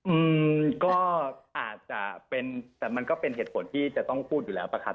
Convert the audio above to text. อืมก็อาจจะเป็นแต่มันก็เป็นเหตุผลที่จะต้องพูดอยู่แล้วป่ะครับ